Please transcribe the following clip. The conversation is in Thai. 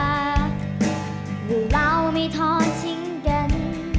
ว่าเราไม่ท้อนชิงกัน